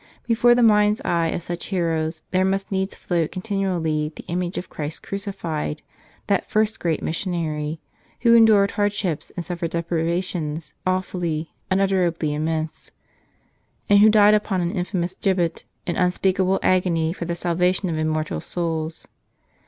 Before the mind's eye of such heroes there must needs float continually the image of Christ Cru¬ cified, that first Great Missionary, Who endured hard¬ ships and suffered deprivations awfully, unutterably immense, and Who died upon an infamous gibbet in unspeakable agony for the salvation of immortal souls.